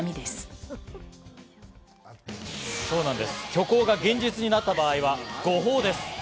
虚構が現実になった場合は誤報です。